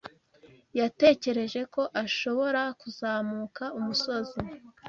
Yatekereje ko ashobora kuzamuka umusozi.